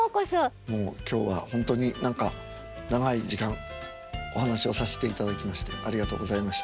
もう今日はほんとに何か長い時間お話をさせていただきましてありがとうございました。